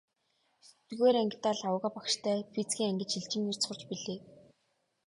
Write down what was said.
Есдүгээр ангидаа Лхагва багштай физикийн ангид шилжин ирж сурч билээ.